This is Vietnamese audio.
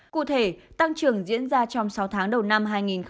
cụ thể tăng trưởng diễn ra trong sáu tháng đầu năm hai nghìn hai mươi